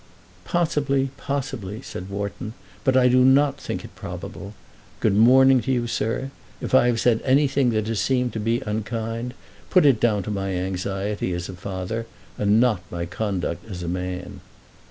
"Possibly; possibly," said Wharton, "but I do not think it probable. Good morning to you, sir. If I have said anything that has seemed to be unkind, put it down to my anxiety as a father and not to my conduct as a man."